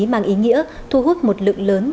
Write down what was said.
mang ý nghĩa thu hút một lượng lớn